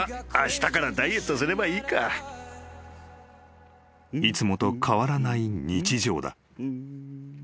［いつもと変わらない日常だ］